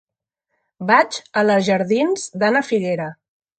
Vaig a la jardins d'Ana Figuera.